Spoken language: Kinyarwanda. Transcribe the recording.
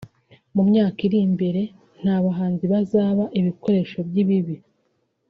mu myaka iri imbere nta bahanzi bazaba ibikoresho by’ibibi